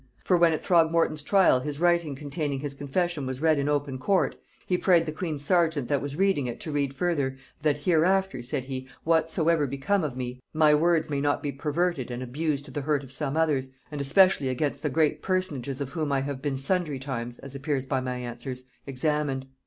For when at Throgmorton's trial, his writing containing his confession was read in open court, he prayed the queen's serjeant that was reading it to read further, 'that hereafter,' said he, 'whatsoever become of me, my words may not be perverted and abused to the hurt of some others, and especially against the great personages of whom I have been sundry times, as appears by my answers, examined.